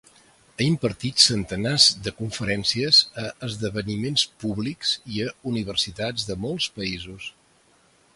Ha impartit centenars de conferències a esdeveniments públics i a universitats de molts països.